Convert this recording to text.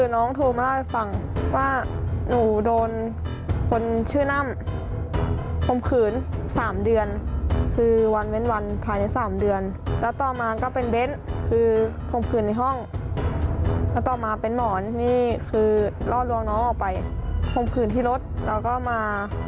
น้องโทรมาเล่าให้ฟังว่าหนูโดนคนชื่อน่ำคมขืน๓เดือนคือวันเว้นวันภายใน๓เดือนแล้วต่อมาก็เป็นเบ้นคือข่มขืนในห้องแล้วต่อมาเป็นหมอนนี่คือล่อลวงน้องออกไปข่มขืนที่รถแล้วก็มา